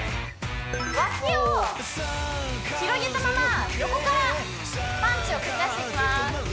脇を広げたまま横からパンチを繰り出していきます